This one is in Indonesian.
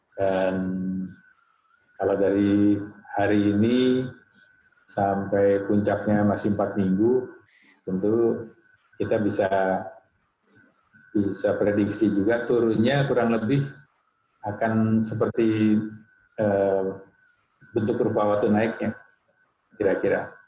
dan kalau dari hari ini sampai puncaknya masih empat minggu tentu kita bisa prediksi juga turunnya kurang lebih akan seperti bentuk rupawatu naiknya kira kira